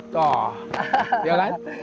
tuh ya kan